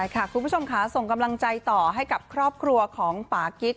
คุณผู้ชมค่ะส่งกำลังใจต่อให้กับครอบครัวของปากิ๊ก